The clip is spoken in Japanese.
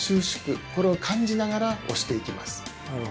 これを感じながら押していきます